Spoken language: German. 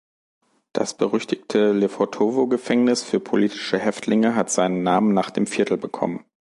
Das berüchtigte Lefortowo-Gefängnis für politische Häftlinge hat seinen Namen nach dem Viertel bekommen.